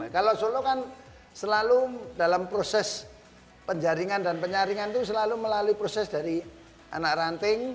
kalau solo kan selalu dalam proses penjaringan dan penyaringan itu selalu melalui proses dari anak ranting